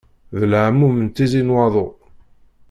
D leɛmum n tizi n waḍu.